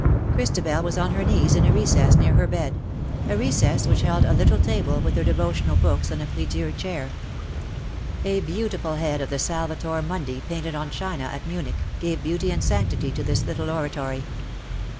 Christabel was on her knees in a recess near her bed — a recess which held a little table, with her devotional books and a prie dieu chair. A beauti ful head of the Salvator Mundi, painted on china at Munich, gave beauty and sanctity to this little oratory.